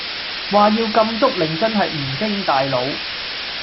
話要禁足令真係唔經大腦